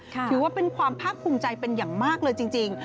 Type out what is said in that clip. ถือว่าเป็นความภาคภูมิใจเป็นอย่างมากเลยจริง